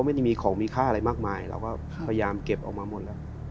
ไม่ได้มีของมีค่าอะไรมากมายเราก็พยายามเก็บออกมาหมดแล้ว